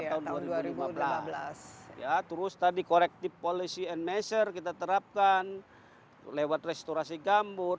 tahun dua ribu lima belas ya terus tadi corrective policy and measure kita terapkan lewat restorasi gambut